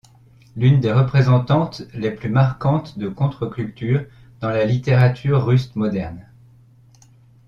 L’une des représentantes les plus marquantes de contre-culture dans la littérature russe moderne.